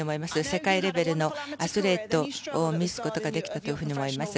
世界レベルのアスリートを見せることができたと思います。